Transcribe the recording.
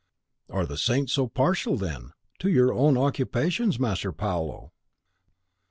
"Are the saints so partial, then, to your own occupations, Master Paolo?"